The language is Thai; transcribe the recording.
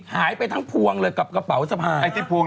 หายไปทั้งพวงเลยกับกระเป๋าสะพาย